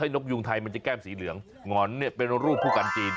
นกยูงไทยมันจะแก้มสีเหลืองหงอนเป็นรูปคู่กันจีน